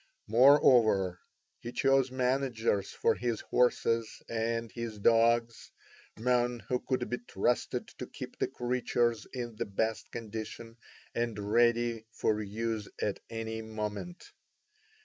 Moreover, he chose managers for his horses and his dogs, men who could be trusted to keep the creatures in the best condition and ready for use at any moment.